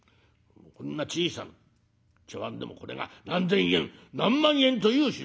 こんな小さな茶わんでもこれが何千円何万円という品物だ」。